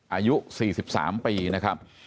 อายุ๔๓ปีนะครับ